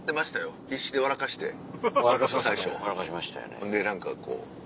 ほんで何かこう。